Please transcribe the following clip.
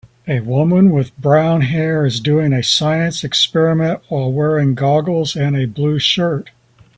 A woman with brown hair is doing a science experiment while wearing goggles and a blue shirt.